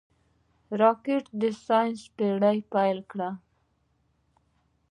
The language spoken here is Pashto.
راکټ د ساینس پېر پيل کړ